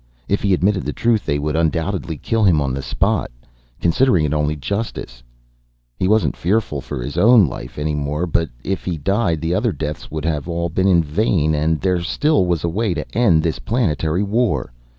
If he admitted the truth they would undoubtedly kill him on the spot, considering it only justice. He wasn't fearful for his own life any more, but if he died the other deaths would all have been in vain. And there still was a way to end this planetary war.